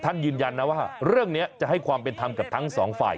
ยืนยันนะว่าเรื่องนี้จะให้ความเป็นธรรมกับทั้งสองฝ่าย